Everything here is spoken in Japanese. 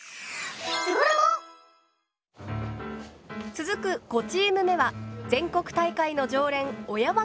続く５チーム目は全国大会の常連小山高専です。